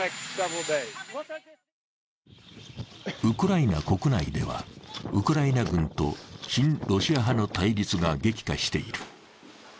ウクライナ国内ではウクライナ軍と親ロシア派の対立が激化している。